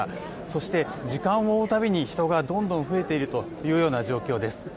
そして、時間を追うたびに人がどんどん増えているというような状況です。